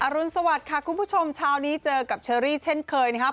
รุนสวัสดิ์ค่ะคุณผู้ชมเช้านี้เจอกับเชอรี่เช่นเคยนะครับ